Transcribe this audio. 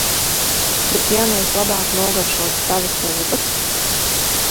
Bet ja nu es labāk nogaršotu tavas lūpas?